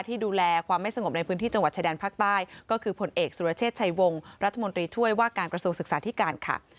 ที่ดูแลความไม่สงบในพื้นที่จังหวัดชายแดนภาคใต้ก็คือผลเอกสุรเชษฐชัยวงรัฐมนตรีช่วยว่าการกระทรวงศึกษาธิการค่ะ